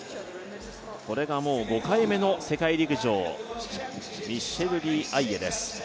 これが５回目の世界陸上、ミッシェル・リー・アイエです。